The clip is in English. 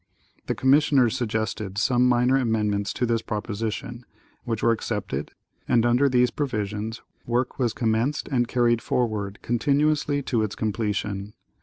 The commissioners suggested some minor amendments to this proposition, which were accepted, and under these provisions work was commenced and carried forward continuously to its completion.